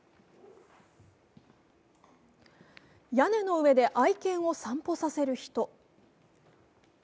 屋根の上で愛犬を散歩させる人。